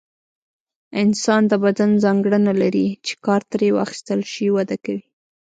انسان د بدن ځانګړنه لري چې کار ترې واخیستل شي وده کوي.